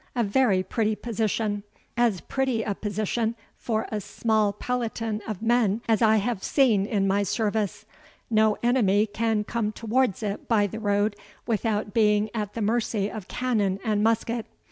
a very pretty position as pretty a position for a small peloton of men as I have seen in my service no enemy can come towards it by the road without being at the mercy of cannon and musket.